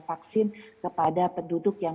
vaksin kepada penduduk yang